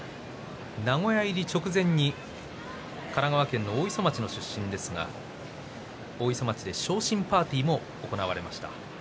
名古屋入り直前に神奈川県大磯町の出身ですが大磯町で昇進パーティーも行われました。